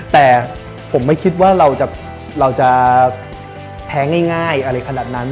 แต่ผมไม่คิดว่าเราจะแพ้ง่ายอะไรขนาดนั้น